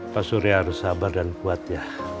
pak surya harus sabar dan kuat ya